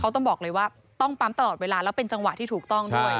เขาต้องบอกเลยว่าต้องปั๊มตลอดเวลาแล้วเป็นจังหวะที่ถูกต้องด้วย